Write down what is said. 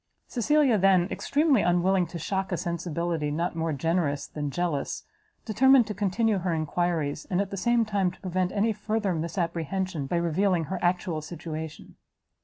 Cecilia then, extremely unwilling to shock a sensibility not more generous than jealous, determined to continue her enquiries, and, at the same time, to prevent any further misapprehension, by revealing her actual situation.